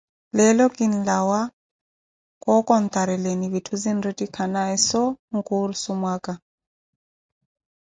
Leelo kinlawa wookontarelani vitthu zinretikhanaye so nkursu mwaka.